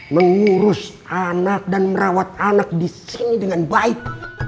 mengurus anak dan merawat anak di sini dengan baik